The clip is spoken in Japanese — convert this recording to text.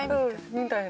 みたいな。